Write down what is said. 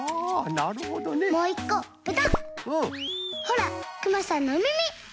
ほらクマさんのおみみ！